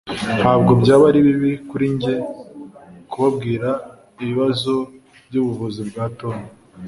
Ntabwo byaba ari bibi kuri njye kubabwira ibibazo byubuvuzi bwa Tom.